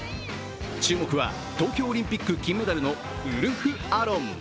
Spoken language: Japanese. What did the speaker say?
注目は東京オリンピック金メダルのウルフアロン。